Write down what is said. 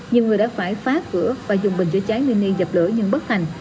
nhiều người đã phải phá cửa và dùng bình chữa cháy mini dập lửa nhưng bất thành